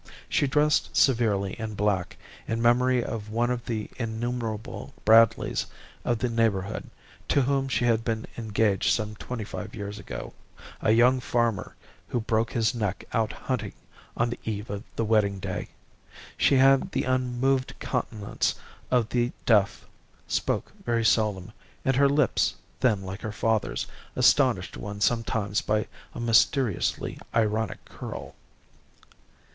She dressed severely in black, in memory of one of the innumerable Bradleys of the neighbourhood, to whom she had been engaged some twenty five years ago a young farmer who broke his neck out hunting on the eve of the wedding day. She had the unmoved countenance of the deaf, spoke very seldom, and her lips, thin like her father's, astonished one sometimes by a mysteriously ironic curl.